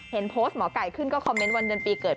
เห็นโพสต์หมอไก่ขึ้นก็คอมเมนต์วันเดือนปีเกิด